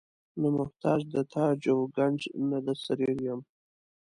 نه محتاج د تاج او ګنج نه د سریر یم.